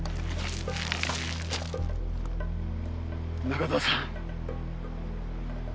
中澤さん。